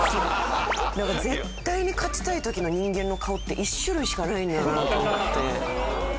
なんか絶対に勝ちたい時の人間の顔って１種類しかないんだなと思って。